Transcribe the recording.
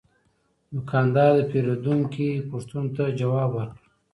دوکاندار د پیرودونکي پوښتنو ته ځواب ورکړ.